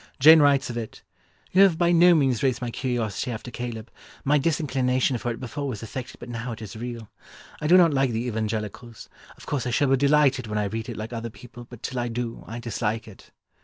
Jane writes of it: "You have by no means raised my curiosity after Caleb. My disinclination for it before was affected but now it is real. I do not like the evangelicals. Of course I shall be delighted when I read it like other people, but till I do, I dislike it."